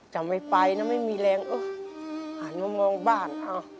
จะไม่ไปแล้วไม่มีแรงหาลงมามองบ้าน